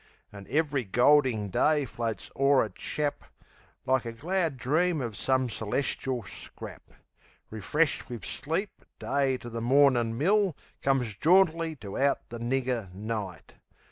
An' ev'ry golding day floats o'er a chap Like a glad dream of some celeschil scrap. Refreshed wiv sleep Day to the mornin' mill Comes jauntily to out the nigger, Night.